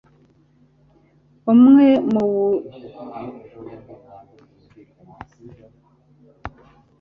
umwe mu bashimishijwe ati 'nyir'igitabo!', atanga muri ayo magambo atatu magufi